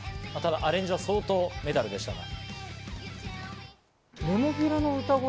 アレンジは相当メタルでしたが。